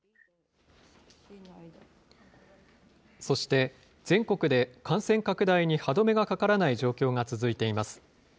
そして、全国で感染拡大に歯止めがかからない状況が続いています。